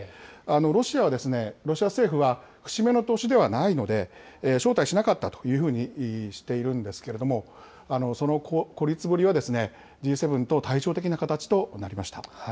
ロシアはロシア政府は、節目の年ではないので、招待しなかったというふうにしているんですけれども、その孤立ぶりはＧ７と対照的な形となりました。